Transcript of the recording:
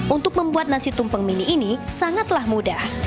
untuk membuat nasi tumpeng mini ini sangatlah mudah